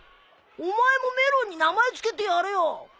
お前もメロンに名前付けてやれよ。